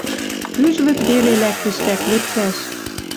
Пӱжвӹд веле лӓктеш вӓк лепкӓш.